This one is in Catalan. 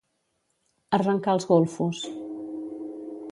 Arrencar els golfos.